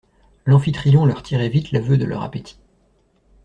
L'amphitryon leur tirait vite l'aveu de leur appétit.